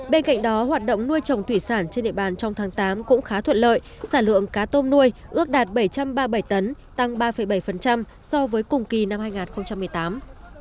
bên cạnh đó hoạt động nuôi trồng thủy sản trên địa bàn trong tháng tám cũng khá thuận lợi sản lượng cá tôm nuôi ước đạt bảy trăm ba mươi bảy tấn tăng ba bảy so với cùng kỳ năm hai nghìn một mươi tám